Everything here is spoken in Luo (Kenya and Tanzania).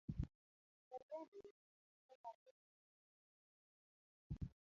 Ng'e bende ni seche moko dwarore ni iyue matin tu.